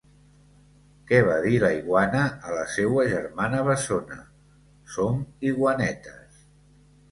Què va dir la iguana a la seua germana bessona? Som iguanetes!